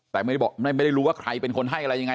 แต่ไม่ได้รู้ว่าใครเป็นคนให้อะไรยังไง